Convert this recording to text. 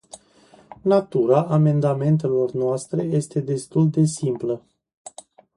Natura amendamentelor noastre este destul de simplă.